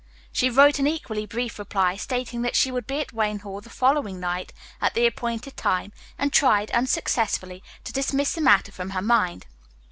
She wrote an equally brief reply, stating that she would be at Wayne Hall the following night at the appointed time, and tried, unsuccessfully, to dismiss the matter from her mind.